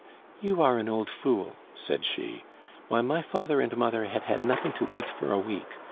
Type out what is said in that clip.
"You are an old fool!" said she. "Why, my father and mother had had nothing to eat for a week.